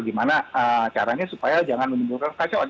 gimana caranya supaya jangan menimbulkan kekacauan